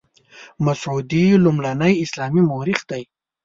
مسعودي لومړنی اسلامي مورخ دی.